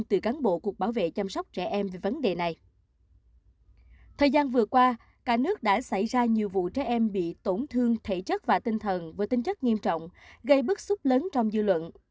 thời gian vừa qua cả nước đã xảy ra nhiều vụ trẻ em bị tổn thương thể chất và tinh thần với tính chất nghiêm trọng gây bức xúc lớn trong dư luận